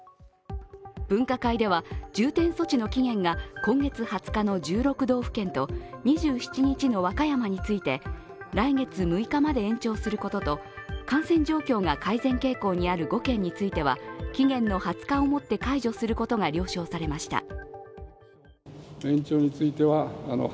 分科会では重点措置の期限が今月２０日の１６道府県と２７日の和歌山について来月６日まで延長することと感染状況が改善傾向にある５県については、期限の２０日をもって解除することが了承されました。